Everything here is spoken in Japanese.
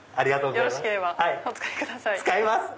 よろしければお使いください。